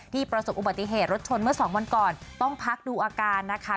ประสบอุบัติเหตุรถชนเมื่อสองวันก่อนต้องพักดูอาการนะคะ